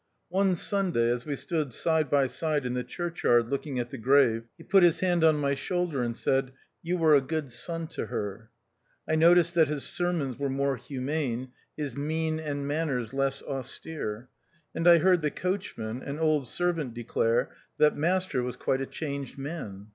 One Sunday, as we stood side by side in the churchyard looking at the grave, he put his hand on my shoulder and said, "You were a good son to her." I noticed that his sermons were more humane, his mien and manners less austere ; and I heard the coachman (an old servant) declare that " master was quite a changed man."